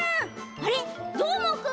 あっどーもくん！